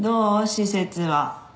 施設は。